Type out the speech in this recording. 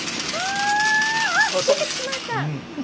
あ！あっ出てきました！